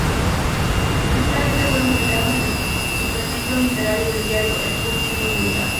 Originalmente fueron publicados en el suplemento literario del diario "El Nuevo Tiempo" de Bogotá.